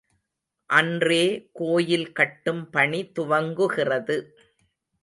அன்றே கோயில் கட்டும் பணி துவங்குகிறது.